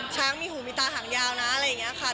ช้างมีหูมีตาหางยาวนะอะไรอย่างนี้ค่ะ